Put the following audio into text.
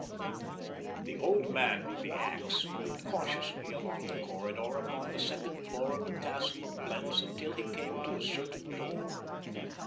The old man with the ax moved cautiously along the corridor upon the second floor of the Castle of Blentz until he came to a certain door.